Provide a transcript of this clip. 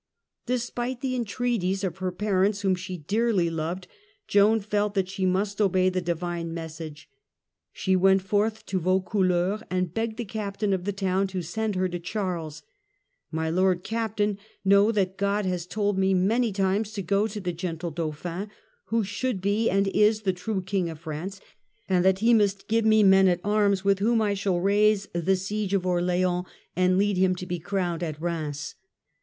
Despite the entreaties of her parents whom she dearly loved, Joan felt that she must obey the divine message ; she went forth to Vaucouleurs and begged the Captain of the town to send her to Charles : "My lord captain, know that God has told me many times to go to the gentle Dauphin, who should be and is the true King of France, and that he must give me men at arms, with whose aid I shall raise the siege of HISTORY OF FRANCE, 1380 1453 219 Orleans and lead him to be crowned at Rheims."